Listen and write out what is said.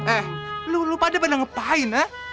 eh lo pada pada ngapain ya